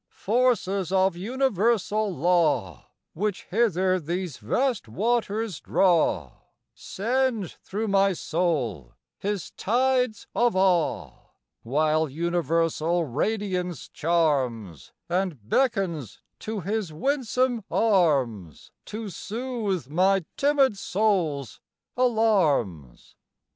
Forces of universal law Which hither these vast waters draw Send through my soul His tides of awe; While universal radiance charms And beckons to His winsome arms To soothe my timid soul's alarms.